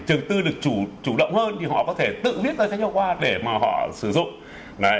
trường tư được chủ động hơn thì họ có thể tự biết ra sách giáo khoa để mà họ sử dụng